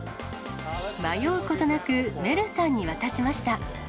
迷うことなく、メルさんに渡しました。